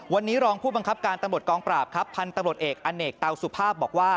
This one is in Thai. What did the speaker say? วันนี้รองผู้บังคับการตำรวจกองปราบครับพันธุ์ตำรวจเอกอเนกเตาสุภาพบอกว่า